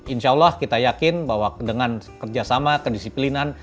insya allah kita yakin bahwa dengan kerjasama kedisiplinan